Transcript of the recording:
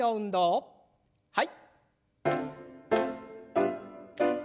はい。